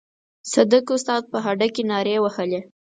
صدک استاد په هډه کې نارې وهلې.